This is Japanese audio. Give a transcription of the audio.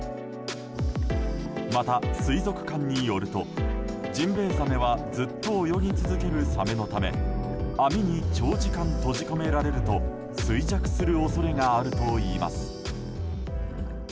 また、水族館によるとジンベイザメはずっと泳ぎ続けるサメのため網に長時間閉じ込められると衰弱する恐れがあるといいます。